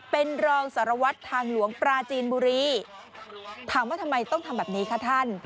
เป็นรองสารวัตรทางหลวงปราจีนบุรีถามว่าทำไมต้องทำแบบนี้คะท่าน